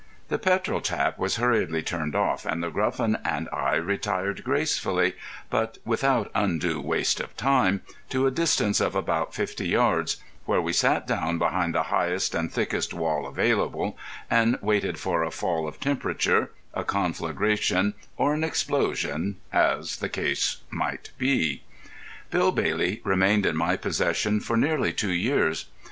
The petrol tap was hurriedly turned off, and The Gruffin and I retired gracefully, but without undue waste of time, to a distance of about fifty yards, where we sat down behind the highest and thickest wall available, and waited for a fall of temperature, a conflagration, or an explosion, as the case might be. Bill Bailey remained in my possession for nearly two years.